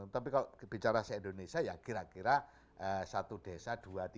tapi kalau bicara se indonesia ya kira kira satu desa dua tiga